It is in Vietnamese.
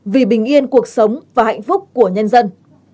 vì bình yên cuộc sống và hạnh phúc của nhân dân